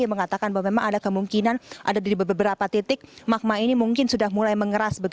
yang mengatakan bahwa memang ada kemungkinan ada di beberapa titik magma ini mungkin sudah mulai mengeras